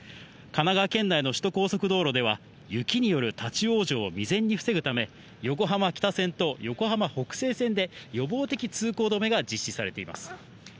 神奈川県内の首都高速道路では、雪による立往生を未然に防ぐため、横浜北線と横浜北西線で予防的通行止めが実施されています。